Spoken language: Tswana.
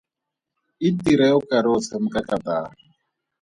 Itire o kare o tshameka katara.